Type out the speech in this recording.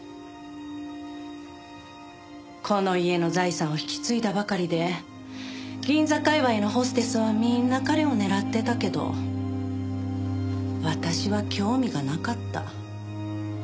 この家の財産を引き継いだばかりで銀座界隈のホステスはみんな彼を狙ってたけど私は興味がなかった。